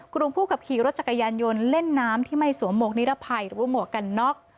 กลุ่มผู้ขับขี่รถจักรยานยนต์เล่นน้ำที่ไม่สวมหวกนิรภัยหรือว่าหมวกกันน็อก